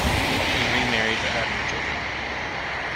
He remarried but had no children.